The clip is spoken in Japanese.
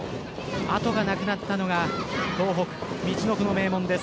後がなくなったのが東北・みちのくの名門です。